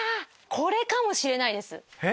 これかもしれないです。